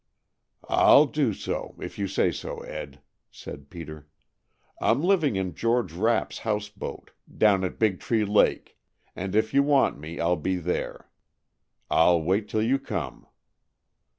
"I'll do so, if you say so, Ed," said Peter. "I'm living in George Rapp's house boat, down at Big Tree Lake, and if you want me, I'll be there. I'll wait 'til you come."